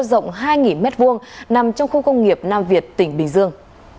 rộng hai m hai nằm trong khu công nghiệp nam việt tỉnh bình dương